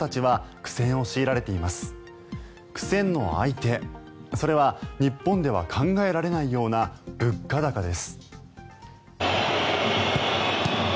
苦戦の相手それは日本では考えられないような物価高です。